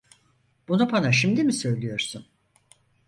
Bunu bana şimdi mi söylüyorsun?